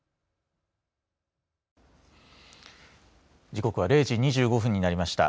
時刻は０時２５分になりました。